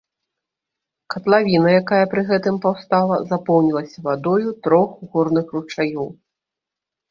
Катлавіна, якая пры гэтым паўстала, запоўнілася вадою трох горных ручаёў.